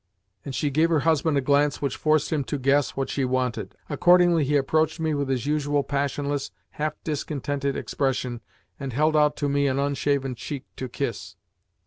and she gave her husband a glance which forced him to guess what she wanted. Accordingly he approached me with his usual passionless, half discontented expression, and held out to me an unshaven cheek to kiss.